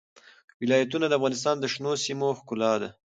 ولایتونه د افغانستان د شنو سیمو ښکلا ده.